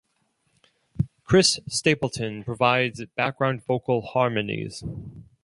Chris Stapleton provides background vocal harmonies.